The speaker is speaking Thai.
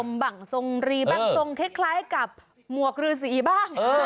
บังทรงรีบ้างทรงคล้ายกับหมวกรือสีบ้าง